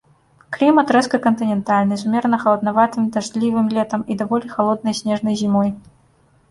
Клімат рэзка-кантынентальны з умерана-халаднаватым, дажджлівым летам і даволі халоднай і снежнай зімой.